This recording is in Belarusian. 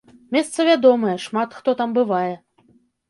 Месца вядомае, шмат хто там бывае.